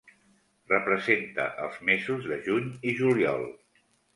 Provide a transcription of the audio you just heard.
Representa els mesos de juny i juliol.